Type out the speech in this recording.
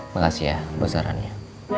makasih ya besarannya